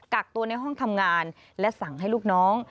กักตัวในห้องทำงานและสั่งให้ลูกน้อง